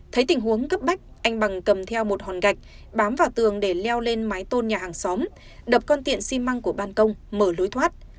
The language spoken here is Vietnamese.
thấy tình huống cấp bách anh bằng cầm theo một hòn gạch bám vào tường để leo lên mái tôn nhà hàng xóm đập con tiện xi măng của ban công mở lối thoát